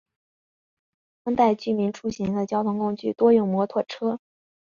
当地居民出行的交通工具多用摩托车。